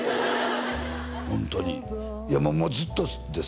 ホントにいやもうずっとですよ